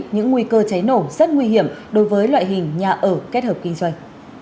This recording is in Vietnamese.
những nguy cơ cháy nổ rất nguy hiểm đối với loại hình nhà ở kết hợp kinh doanh